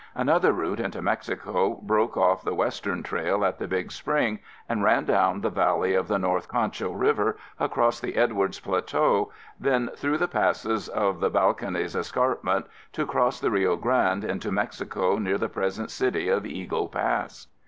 Another route into Mexico broke off the Western Trail at the Big Spring and ran down the valley of the North Concho River, across the Edwards Plateau, then through the passes of the Balcones Escarpment to cross the Rio Grande into Mexico near the present city of Eagle Pass.